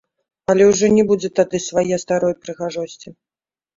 Але ўжо не будзе тады свае старой прыгожасці.